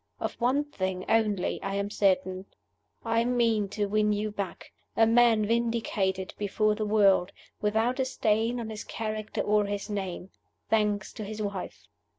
Of one thing only I am certain: I mean to win you back, a man vindicated before the world, without a stain on his character or his name thanks to his wife.